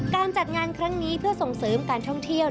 การจัดงานครั้งนี้เพื่อส่งเสริมการท่องเที่ยว